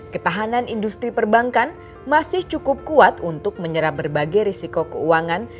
ketahanan industri perbankan masih cukup kuat untuk menyerap berbagai risiko keuangan